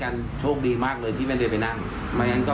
เราก็เฮ้ยชนบ้านไหนวะ